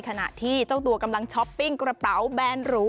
ขณะที่เจ้าตัวกำลังช้อปปิ้งกระเป๋าแบนหรู